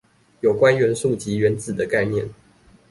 有關元素及原子的概念